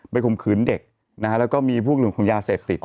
ข่มขืนเด็กแล้วก็มีพวกเรื่องของยาเสพติด